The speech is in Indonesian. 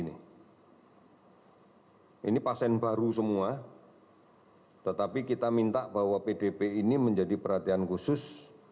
ini pasien baru semua tetapi kita minta bahwa pdp ini menjadi perhatian khusus